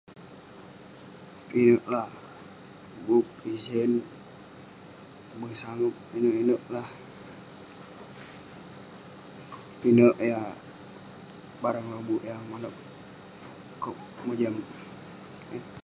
[unintelligible] bup, pisen, tabang, sangep. Inouk inouk lah. Pinek yah barang lobuk yah manouk akouk mojam-